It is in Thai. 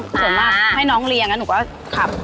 ส่วนมากให้น้องเรียนแล้วหนูก็ขับ